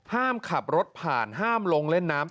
ห้ามขับรถผ่านห้ามลงเล่นน้ำ